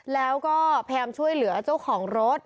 แล้วก็พยายามช่วยเหลือเจ้าของรถ